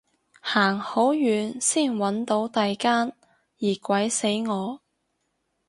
行好遠先搵到第間，熱鬼死我